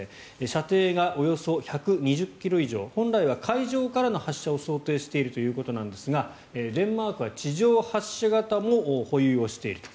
射程がおよそ１２０ｋｍ以上本来は海上からの発射を想定しているということなんですがデンマークは地上発射型も保有をしていると。